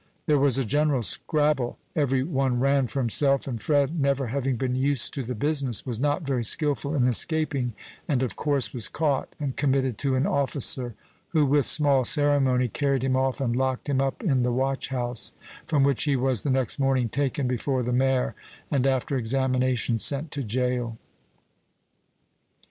There was a general scrabble, every one ran for himself, and Fred, never having been used to the business, was not very skilful in escaping, and of course was caught, and committed to an officer, who, with small ceremony, carried him off and locked him up in the watch house, from which he was the next morning taken before the mayor, and after examination sent to jail.